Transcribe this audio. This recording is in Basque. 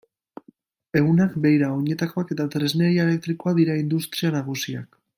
Ehunak, beira, oinetakoak eta tresneria elektrikoa dira industria nagusiak.